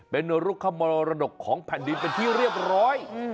เป็นรุกขมรดกของแผ่นดินเป็นที่เรียบร้อย